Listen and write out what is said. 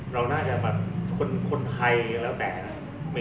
เราน่าจะแบบคนไทยก็แล้วแต่นะ